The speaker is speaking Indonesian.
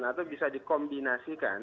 atau bisa dikombinasikan